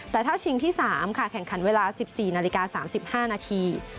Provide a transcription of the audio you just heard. แต่ถ้าชิงที่๓ค่ะแข่งขันเวลา๑๔นาฬิกา๓๕นาที